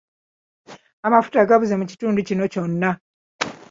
Amafuta gabuze mu kitundu kino kyonna.